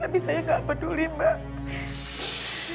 tapi saya nggak peduli mbak